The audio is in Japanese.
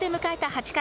８回。